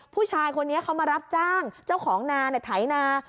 ผู้ชายคนนี้เขามารับจ้างเจ้าของนาไถนา